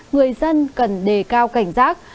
người dân cần đề cao cảnh giác